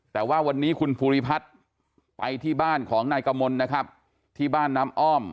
แต่ว่าวันนี้คุณภูริพัฒน์ไปที่บ้านของนายกมลนะครับที่บ้านน้ำอ้อม